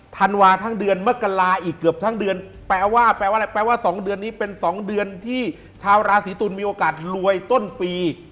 ธันวาทั้งเดือนมกราอีกเกือบทั้งเดือนแปลว่าแปลว่าอะไรแปลว่า๒เดือนนี้เป็น๒เดือนที่ชาวราศีตุลมีโอกาสรวยต้นปี